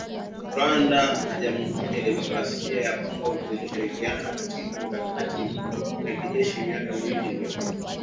Rwanda na Jamhuri ya Demokrasia ya Kongo zilishirikiana katika mikakati ya kijeshi miaka miwili iliyopita